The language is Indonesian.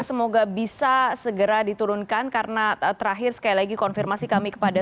semoga bisa segera diturunkan karena terakhir sekali lagi konfirmasi kami kepada